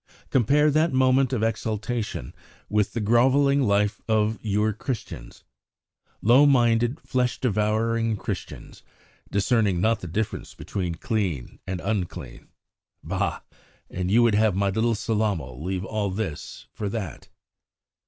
Compare that moment of exaltation with the grovelling life of your Christians! Low minded, flesh devouring, Christians, discerning not the difference between clean and unclean! Bah! And you would have my little Sellamal leave all this for that!"